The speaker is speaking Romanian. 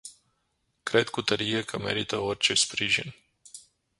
Cred cu tărie că merită orice sprijin.